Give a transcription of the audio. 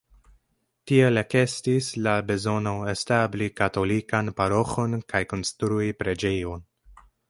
Tiel ekestis la bezono establi katolikan paroĥon kaj konstrui preĝejon.